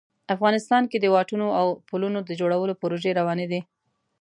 افغانستان کې د واټونو او پلونو د جوړولو پروژې روانې دي